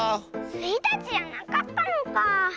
スイたちじゃなかったのか。